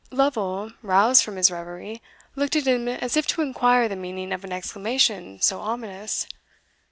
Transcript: Lovel, roused from his reverie, looked at him as if to inquire the meaning of an exclamation so ominous.